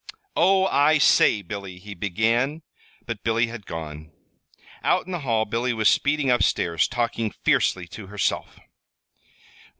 "Oh, I say, Billy," he began; but Billy had gone. Out in the hall Billy was speeding up stairs, talking fiercely to herself.